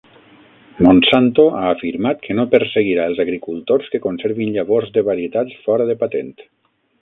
Monsanto ha afirmat que no perseguirà els agricultors que conservin llavors de varietats fora de patent.